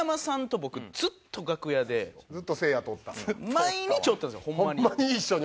毎日おったんですよホンマに。